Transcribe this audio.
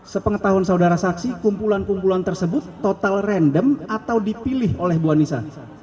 sepengetahuan saudara saksi kumpulan kumpulan tersebut total random atau dipilih oleh ibu anissa